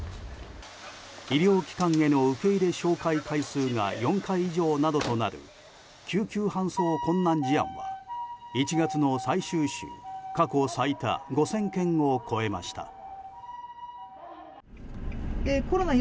医療機関への受け入れ照会回数が４回以上などとなる救急搬送困難事案は１月の最終週過去最多５０００件を超えました。